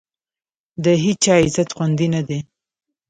د هېچا عزت خوندي نه دی.